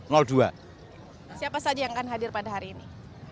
siapa saja yang akan hadir pada hari ini